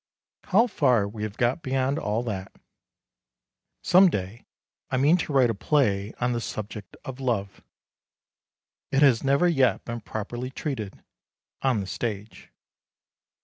How far we have got beyond all that! Some day I mean to write a play on the subject of love. It has never yet been properly treated on the stage.